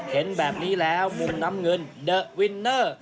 เห็นแบบนี้แล้วมุมน้ำเงินเดอะวินเนอร์